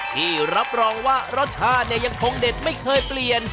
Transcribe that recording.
ที่รับรองว่ารสชาติเนี่ยยังคงเด็ดไม่เคยเปลี่ยน